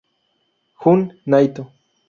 Jun Naito